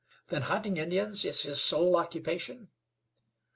"Then hunting Indians is his sole occupation?"